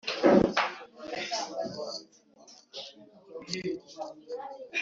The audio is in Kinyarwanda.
mujawamaliya asigaranye igihe gito cyo kubaho abantu bose niko babibona